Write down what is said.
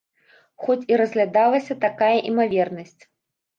Хоць і разглядалася такая імавернасць.